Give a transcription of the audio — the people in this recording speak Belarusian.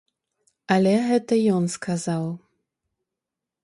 Але гэта ён сказаў.